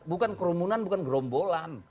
bukan kerumunan bukan gerombolan